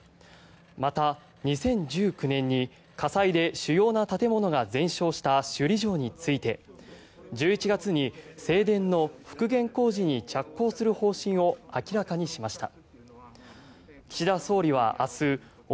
また、２０１９年に火災で主要な建物が全焼した首里城について１１月に正殿の復元工事に着工する方針を明らかにしました。